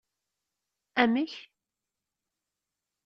Amek?